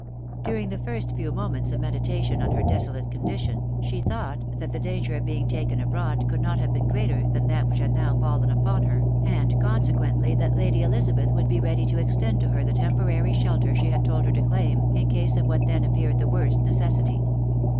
During the first few moments of meditation on her desolate condition, she thought that the danger of being taken abroad could not have been greater than that which had now fallen upon her, and consequently that Lady Elizabeth would be ready to extend to her the temporary shelter she had told her to claim, in case of what then appeared the worst necessity.